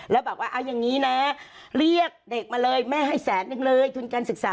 แล้วบอกว่าเอาอย่างนี้นะเรียกเด็กมาเลยแม่ให้แสนนึงเลยทุนการศึกษา